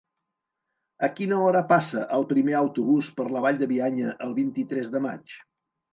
A quina hora passa el primer autobús per la Vall de Bianya el vint-i-tres de maig?